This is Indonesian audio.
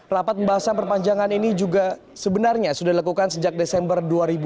rapat membahas perpanjangan ini juga sebenarnya sudah dilakukan sejak desember dua ribu lima belas